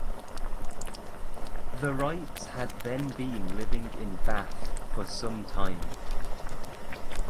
The Wrights had then been living in Bath for some time.